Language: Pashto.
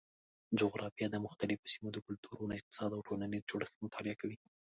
جغرافیه د مختلفو سیمو د کلتورونو، اقتصاد او ټولنیز جوړښت مطالعه کوي.